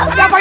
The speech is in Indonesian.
ada apa ini